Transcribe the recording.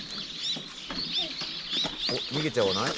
「逃げちゃわない？